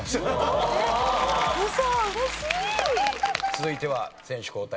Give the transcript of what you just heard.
続いては選手交代。